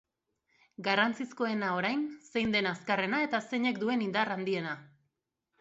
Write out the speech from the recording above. Garrantzizkoena orain, zein den azkarrena eta zeinek duen indar handiena.